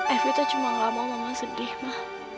evita cuma nggak mau mama sedih ma